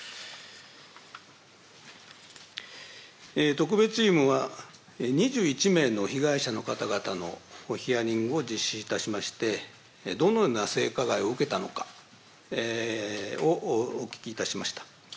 特別チームは２１名の被害者の方々のヒアリングを実施いたしまして、どのような性加害を受けたのかをお聞きいたしました。